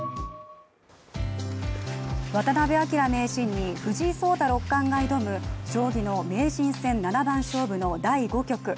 渡辺明名人に藤井聡太六冠が挑む将棋の名人戦七番勝負の第５局。